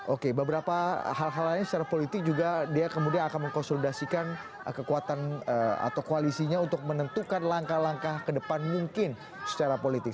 oke beberapa hal hal lain secara politik juga dia kemudian akan mengkonsolidasikan kekuatan atau koalisinya untuk menentukan langkah langkah ke depan mungkin secara politik